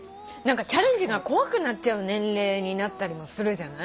チャレンジが怖くなっちゃう年齢になったりもするじゃない。